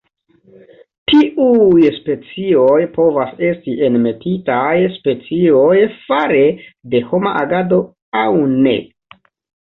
Tiuj specioj povas esti enmetitaj specioj fare de homa agado aŭ ne.